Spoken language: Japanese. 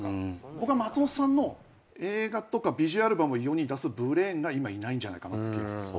僕は松本さんの映画とか『ＶＩＳＵＡＬＢＵＭ』を世に出すブレーンが今いないんじゃないかって気が。